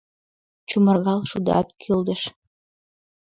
Чумыргал шудат, кӱылдыш.